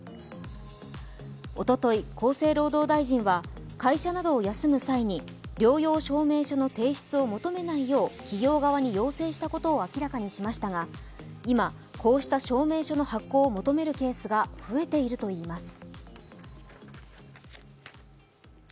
おととい、厚生労働大臣は会社などを休む際に療養証明書の提出を求めないよう企業側に要請したことを明らかにしましたが、今、こうした証明書の発行を求めるケースが増えているといいます。